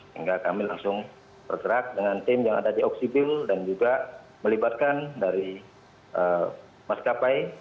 hingga kami langsung bergerak dengan tim yang ada di oksibil dan juga melibatkan dari maskapai